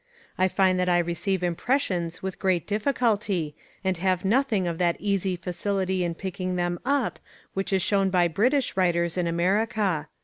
I find that I receive impressions with great difficulty and have nothing of that easy facility in picking them up which is shown by British writers on America.